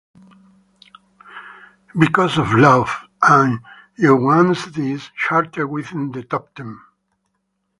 "Because of Love" and "You Want This" charted within the top ten.